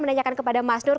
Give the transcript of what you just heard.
menanyakan kepada mas nur